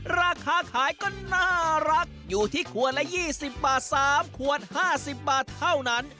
ราคาขายก็น่ารักอยู่ที่ขวดละยี่สิบบาทสามขวดห้าสิบบาทเท่านั้น